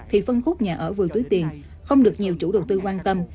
thì phân khúc nhà ở vừa túi tiền không được nhiều chủ đầu tư quan tâm